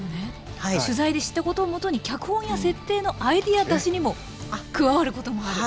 取材で知ったことを基に脚本や設定のアイデア出しにも加わることもある？